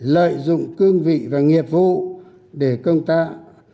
lợi dụng cương vị và nghiệp vụ để công tác